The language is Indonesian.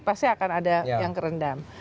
pasti akan ada yang kerendam